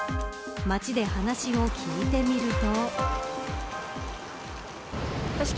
街で話を聞いてみると。